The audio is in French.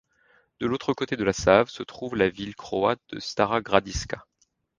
De l'autre côté de la Save se trouve la ville croate de Stara Gradiška.